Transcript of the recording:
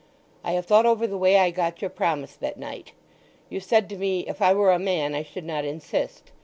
I have thought over the way I got your promise that night. You said to me, 'If I were a man I should not insist.